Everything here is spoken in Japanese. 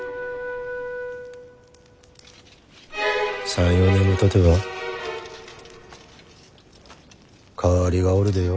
３４年もたてば代わりがおるでよ。